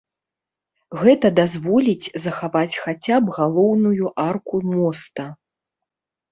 Гэта дазволіць захаваць хаця б галоўную арку моста.